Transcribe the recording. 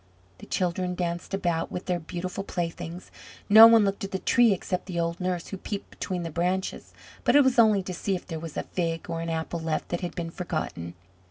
The children danced about with their beautiful playthings: no one looked at the Tree except the old nurse, who peeped between the branches; but it was only to see if there was a fig or an apple left that had been forgotten.